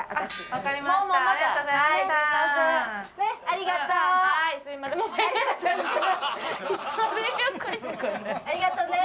ありがとうね。